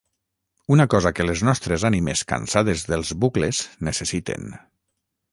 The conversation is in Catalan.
Una cosa que les nostres ànimes cansades dels bucles necessiten.